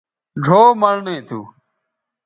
ڙھؤ مڑنئ تھو